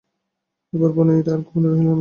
এবার বনোয়ারি আর গোপনে রহিল না।